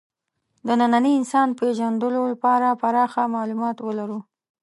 د ننني انسان پېژندلو لپاره پراخ معلومات ولرو.